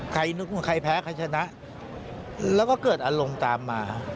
นึกว่าใครแพ้ใครชนะแล้วก็เกิดอารมณ์ตามมา